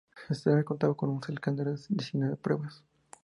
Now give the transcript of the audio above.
El certamen contaba con un calendario de diecinueve pruebas.